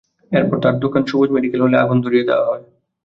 এরপর তাঁর দোকান সবুজ মেডিকেল হলে আগুন ধরিয়ে দেওয়া হয়।